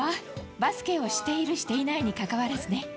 バスケをしている、していないにかかわらずね。